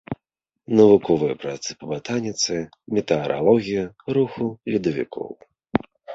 Навуковыя працы па батаніцы, метэаралогіі, руху ледавікоў.